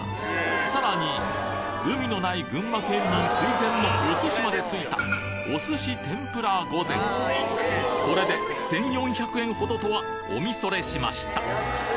さらに海のない群馬県民垂涎のお寿司までついたこれで１，４００円ほどとはお見それしました